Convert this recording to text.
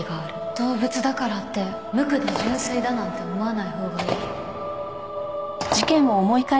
動物だからって無垢で純粋だなんて思わないほうがいい。